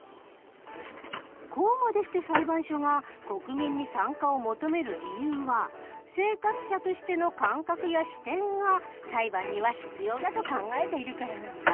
こうまでして裁判所が国民に参加を求める理由は生活者として感覚や視点が裁判には必要だと考えているからなんだ。